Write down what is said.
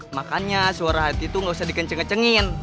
makanya suara hati itu gak usah dikenceng kencengin